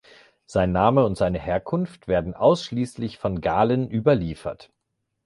Sein Name und seine Herkunft werden ausschließlich von Galen überliefert.